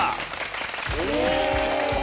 お。